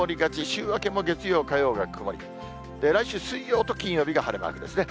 週明けも月曜、火曜が曇り、来週水曜と金曜が晴れマークですね。